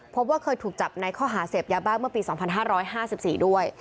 พบว่าเคยถูกจับในข้อหาเสพยาบ้าเมื่อปี๒๕๕๔ด้วย